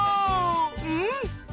うん。